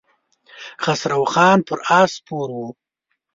خسرو خان پر آس سپور و.